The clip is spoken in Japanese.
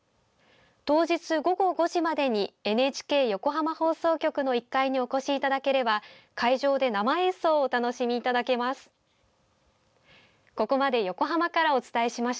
当日午後５時までにＮＨＫ横浜放送局の１階にお越しいただければ会場で生演奏をお楽しみいただけます。